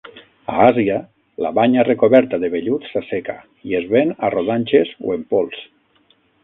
A Àsia la banya recoberta de vellut s'asseca i es ven a rodanxes o en pols.